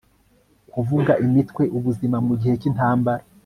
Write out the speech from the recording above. kuvuga imitwe, ubuzima mugihe cyintambara